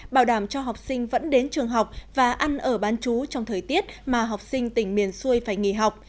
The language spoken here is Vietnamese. bảo đảm cho học sinh vẫn đến trường học và ăn ở bán chú trong thời tiết mà học sinh tỉnh miền xuôi phải nghỉ học